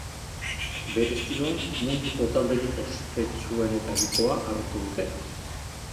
Bere estiloan, munduko talderik ospetsuenetarikoa hartu dute.